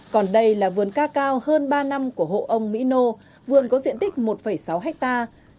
còn đây là vườn ca cao hơn ba năm của hộ ông mỹ nô vườn có diện tích một sáu hectare